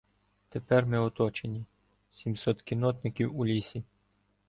Тепер ми оточені — сімсот кіннотників у лісі.